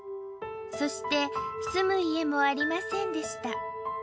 そして住む家もありませんでした。